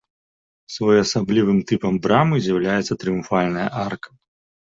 Своеасаблівым тыпам брамы з'яўляецца трыумфальная арка.